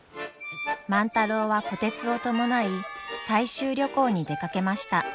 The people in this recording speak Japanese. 万太郎は虎鉄を伴い採集旅行に出かけました。